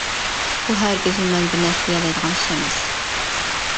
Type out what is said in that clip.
بۇ ھەرگىزمۇ مەن بىر نەرسە دېيەلەيدىغان ئىش ئەمەس.